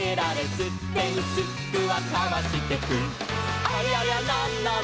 「すってんすっくはかわしてく」「ありゃりゃなんなの？